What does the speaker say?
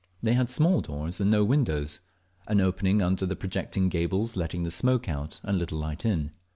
They had small doors and no windows, an opening under the projecting gables letting the smoke out and a little light in.